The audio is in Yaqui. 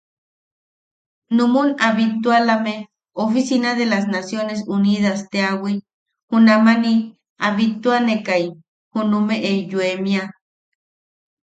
numun a bittualame oficina de las naciones unidas teawi junamani a bittuanekai junumeʼe yoemia,.